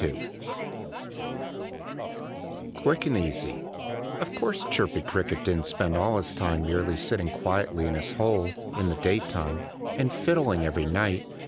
II QUICK AND EASY Of course Chirpy Cricket didn't spend all his time merely sitting quietly in his hole, in the daytime and fiddling every night.